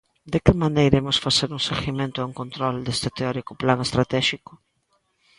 ¿De que maneira imos facer un seguimento e un control deste teórico plan estratéxico?